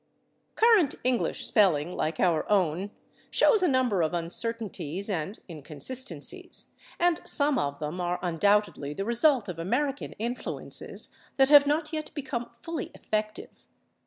Current English spelling, like our own, shows a number of uncertainties and inconsistencies, and some of them are undoubtedly the result of American influences that have not yet become fully effective.